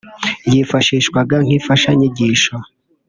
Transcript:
yifashishwa nk’imfashanyagisho